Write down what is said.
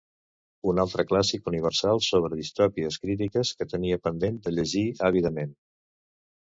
Un altre clàssic universal sobre distopies crítiques que tenia pendent de llegir àvidament.